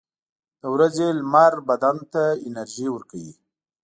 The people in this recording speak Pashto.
• د ورځې لمر بدن ته انرژي ورکوي.